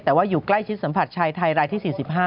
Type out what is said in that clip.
แต่ว่าอยู่ใกล้ชิดสัมผัสชายไทยรายที่๔๕